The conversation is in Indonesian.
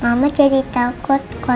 mama jadi takut kalau tersenyum ya